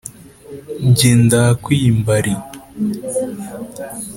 jye ndakwe iyi mbari.